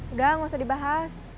udah gak usah dibahas